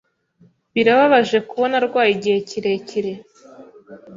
Birababaje kubona arwaye igihe kirekire.